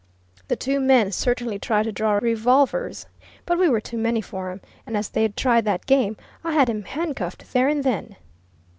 The two men certainly tried to draw revolvers, but we were too many for 'em, and as they'd tried that game, I had 'em handcuffed there and then.